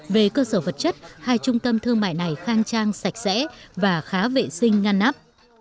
về cơ sở vật chất hai trung tâm thương mại này khang trang sạch sẽ và khá vệ sinh ngăn nắp